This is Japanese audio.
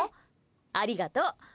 ありがとう。